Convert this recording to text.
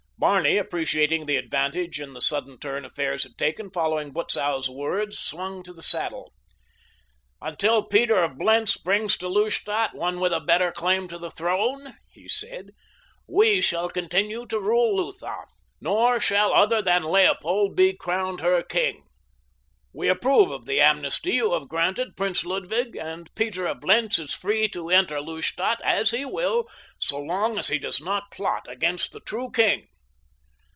Barney, appreciating the advantage in the sudden turn affairs had taken following Butzow's words, swung to his saddle. "Until Peter of Blentz brings to Lustadt one with a better claim to the throne," he said, "we shall continue to rule Lutha, nor shall other than Leopold be crowned her king. We approve of the amnesty you have granted, Prince Ludwig, and Peter of Blentz is free to enter Lustadt, as he will, so long as he does not plot against the true king.